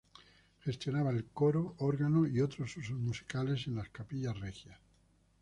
Gestionaba el coro, órgano y otros usos musicales en las capillas regias.